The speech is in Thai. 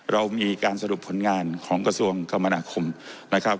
เรามีการสรุปผลงานของกระทรวงคมนาคมนะครับ